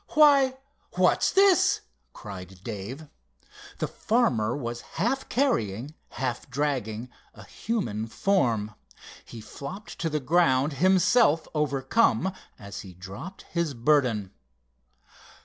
"Why, what's this?" cried Dave. The farmer was half carrying, half dragging a human form. He flopped to the ground himself overcome, as he dropped his burden.